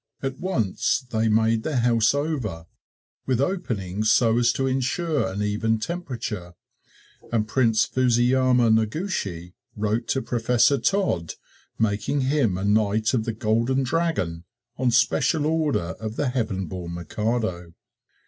At once they made their house over, with openings so as to insure an even temperature, and Prince Fusiyama Noguchi wrote to Professor Todd, making him a Knight of the Golden Dragon on special order of the heaven born Mikado.